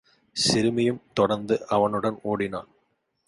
சிறுமியும் தொடர்ந்து அவனுடன் ஒடினாள்.